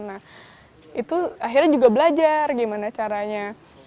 nah itu akhirnya juga belajar gimana caranya